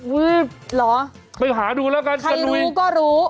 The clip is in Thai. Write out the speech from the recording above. หื้ยไปหาดูก่อนครับกันใครรู้ก็รู้